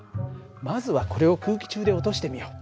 まずはこれを空気中で落としてみよう。